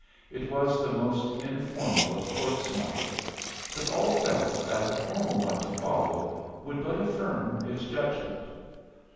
It was the most informal of courts martial, but all felt that the formal one to follow would but affirm its judgment.